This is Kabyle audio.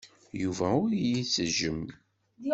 Yuba ur iyi-ittejjem.